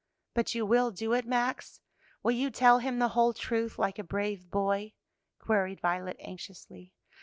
"But you will do it, Max? will you tell him the whole truth like a brave boy?" queried Violet anxiously.